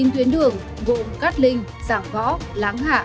chín tuyến đường gồm cát linh giảng võ láng hạ